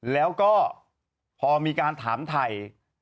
แล้วก็พอมีการถามไทย